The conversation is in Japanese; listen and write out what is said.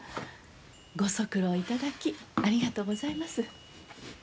ご足労いただきありがとうございます。